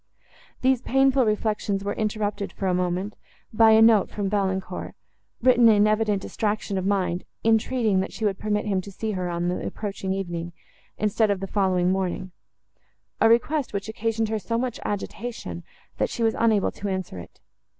These painful reflections were interrupted, for a moment, by a note from Valancourt, written in evident distraction of mind, entreating, that she would permit him to see her on the approaching evening, instead of the following morning; a request, which occasioned her so much agitation, that she was unable to answer it.